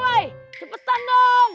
bule hawai cepetan dong